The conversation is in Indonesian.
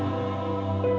ibu aplikasi merek